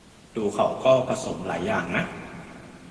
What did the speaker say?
ดูเขาก็ผสมหลายอย่างนะ